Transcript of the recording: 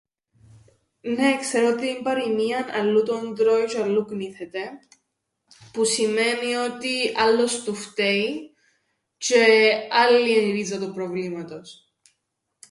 "Νναι, ξέρω την παροιμία ""αλλού τον τρώει τζ̆αι αλλού κνήθεται"", που σημαίνει ότι άλλος του φταίει τζ̆αι άλλη εν' η ρίζα του προβλήματος."